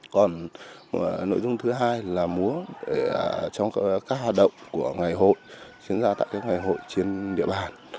còn nội dung thứ hai là múa trong các hoạt động của ngày hội diễn ra tại các ngày hội trên địa bàn